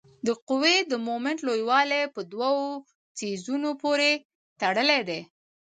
د قوې د مومنټ لویوالی په دوو څیزونو پورې تړلی دی.